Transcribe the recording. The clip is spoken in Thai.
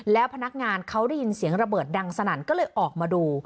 แล้วพนักงานเขาได้ยินเสียงระเบิดดังสนั่นก็เลยออกมาดู